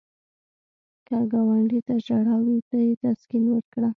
که ګاونډي ته ژړا وي، ته یې تسکین ورکړه